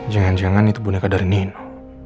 jangan jangan itu boneka dari nenek